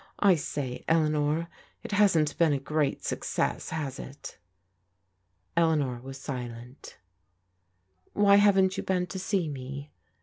I say, Eleanor, it hasn't been a great success, has it?" Eleanor was silent. "Why haven't you been to see me?"